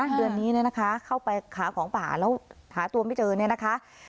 เดือนนี้เนี่ยนะคะเข้าไปหาของป่าแล้วหาตัวไม่เจอเนี่ยนะคะ